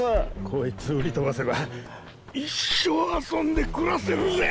こいつを売りとばせば一生遊んでくらせるぜ。